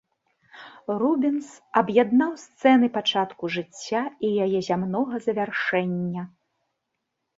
Рубенс аб'яднаў сцэны пачатку жыцця і яе зямнога завяршэння.